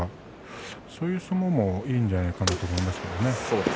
そういう相撲もいいんじゃないかなと思います。